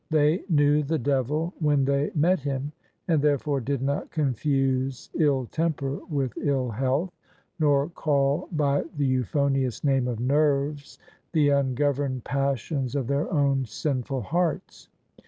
They knew the devil when they met him; and therefore did not confuse ill temper with ill health, nor call by the euphpnious name of " nerves " the ungov emed passions of their own sinful hearts.